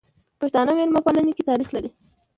پښتانه ميلمه پالنې کی تاریخ لري.